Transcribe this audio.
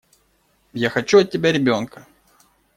Я хочу от тебя ребёнка!